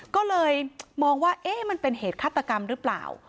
ก็เลยมองว่าเอ๊ะมันเป็นเหตุฆาตกรรมหรือเปล่า